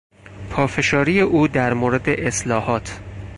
پافشاری او در مورد اصلاحات